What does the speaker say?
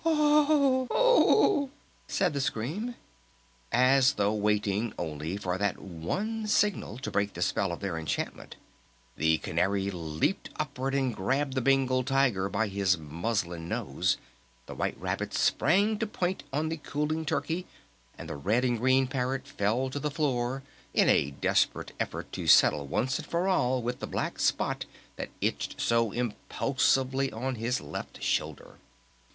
"Oh ... Oh ... Owwwwwwww!" said the scream. As though waiting only for that one signal to break the spell of their enchantment, the Canary leaped upward and grabbed the Bengal Tiger by his muslin nose, the White Rabbit sprang to "point" on the cooling turkey, and the Red and Green Parrot fell to the floor in a desperate effort to settle once and for all with the black spot that itched so impulsively on his left shoulder!